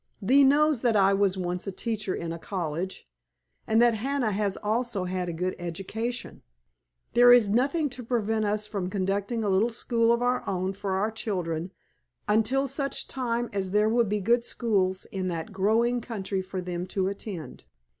Thee knows that I was once a teacher in a college, and that Hannah has also had a good education. There is nothing to prevent us from conducting a little school of our own for our children until such time as there will be good schools in that growing country for them to attend."